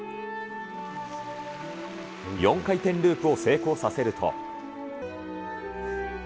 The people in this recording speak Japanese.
４回転ループを成功させると。